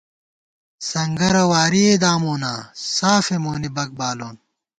سنگَرہ وارِئےداموناں، سافے مونی بَک بالون